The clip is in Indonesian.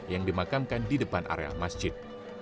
yang dimakamkan di depan area masjid